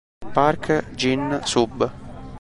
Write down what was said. Park Jin-sub